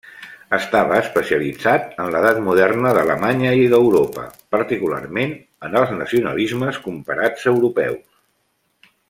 Estava especialitzat en l'Edat Moderna d'Alemanya i d'Europa, particularment, en els nacionalismes comparats europeus.